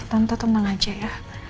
tante tenang aja ya